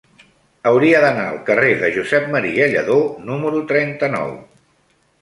Hauria d'anar al carrer de Josep M. Lladó número trenta-nou.